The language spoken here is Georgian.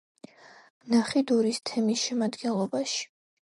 ნახიდურის თემის შემადგენლობაში.